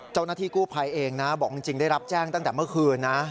เจ้าหน้าที่กู้ภัยเองนะบอกจริงได้รับแจ้งตั้งแต่เมื่อคืนนะ